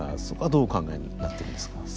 そこはどうお考えになってるんですか。